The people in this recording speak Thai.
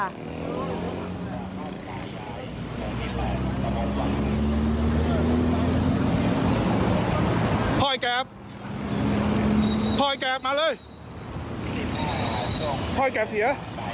พ่อแกรฟพ่อแกรฟมาเลยพ่อแกรฟเสีย